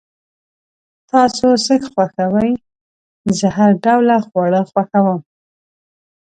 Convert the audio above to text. تاسو څه خوښوئ؟ زه هر ډوله خواړه خوښوم